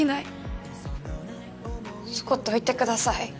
そこどいてください。